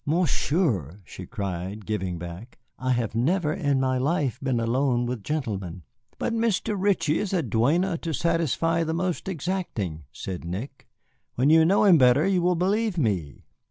"Monsieur!" she cried, giving back, "I have never in my life been alone with gentlemen." "But Mr. Ritchie is a duenna to satisfy the most exacting," said Nick; "when you know him better you will believe me."